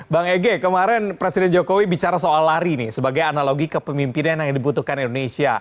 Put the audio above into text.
bang ege kemarin presiden jokowi bicara soal lari nih sebagai analogi kepemimpinan yang dibutuhkan indonesia